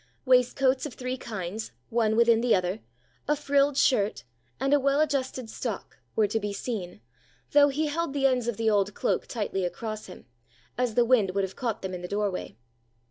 Waistcoats of three kinds, one within the other, a frilled shirt, and a well adjusted stock, were to be seen, though he held the ends of the old cloak tightly across him, as the wind would have caught them in the doorway.